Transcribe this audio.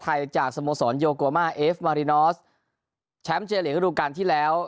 จากสโมสรโยโกมาเอฟมารินอสแชมป์เจลีกระดูกาลที่แล้ว